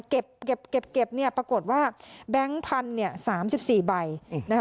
เก็บปรากฏว่าแบงค์พันธุ์๓๔ใบ